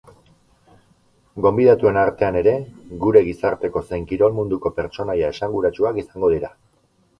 Gonbidatuen artean ere gure gizarteko zein kirol munduko pertsonaia esanguratsuak izango dira.